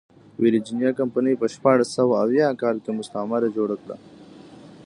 ویرجینیا کمپنۍ په شپاړس سوه اووه کال کې مستعمره جوړه کړه.